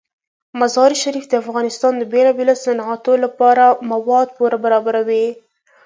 مزارشریف د افغانستان د بیلابیلو صنعتونو لپاره مواد پوره برابروي.